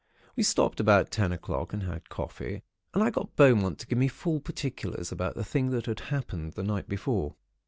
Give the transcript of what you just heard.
We stopped about ten o'clock, and had coffee, and I got Beaumont to give me full particulars about the thing that happened the night before.